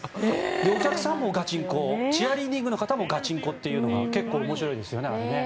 お客さんもガチンコチアリーディングの方もガチンコというのが結構面白いですよね。